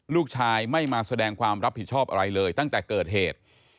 ลูกชายไม่มาแสดงความรับผิดชอบอะไรเลยตั้งแต่เกิดเหตุ